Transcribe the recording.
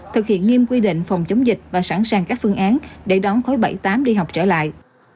thực hiện nghiêm quy định phòng chống dịch và sẵn sàng các phương án để đón khối bảy tám đi học trở lại